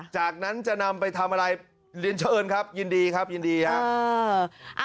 จากนั้นจะนำไปทำอะไรเรียนเชิญครับยินดีครับยินดีครับ